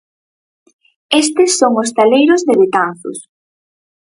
Estes son hostaleiros de Betanzos...